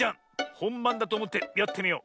ほんばんだとおもってやってみよう。